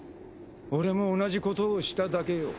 俺も同じことをしただけよ。